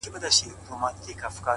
دا ستا شعرونه مي د زړه آواز دى!